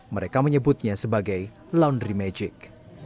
mereka menyebutnya sebagai laundry magic